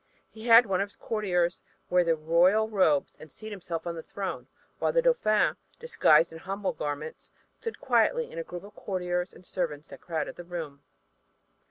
He had one of his courtiers wear the royal robes and seat himself on the throne, while the Dauphin, disguised in humble garments, stood quietly in the group of courtiers and servants that crowded the room.